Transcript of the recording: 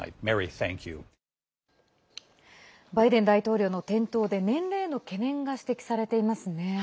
バイデン大統領の転倒で年齢への懸念が指摘されていますね。